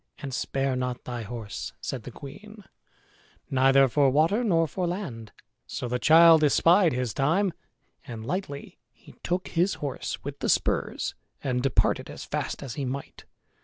And spare not thy horse," said the queen, "neither for water nor for land." So the child espied his time, and lightly he took his horse with the spurs and departed as fast as he might.